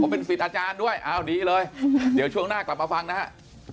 เป็นสิทธิ์อาจารย์ด้วยอ้าวดีเลยเดี๋ยวช่วงหน้ากลับมาฟังนะครับ